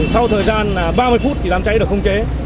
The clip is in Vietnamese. sau thời gian ba mươi phút thì đám cháy được không chế